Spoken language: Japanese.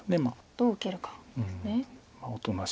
どう受けるかですね。